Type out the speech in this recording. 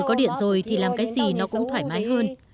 có điện rồi thì làm cái gì nó cũng thoải mái hơn